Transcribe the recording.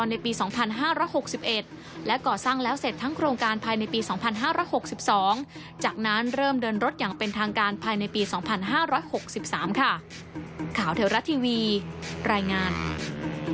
สำหรับการรถไฟฟ้าสายสีเขียวเหนือจะเริ่มคืนพื้นผิวการจราจ